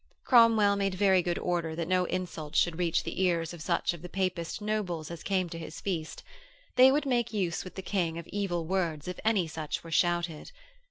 Cromwell made very good order that no insults should reach the ears of such of the Papist nobles as came to his feast; they would make use with the King of evil words if any such were shouted.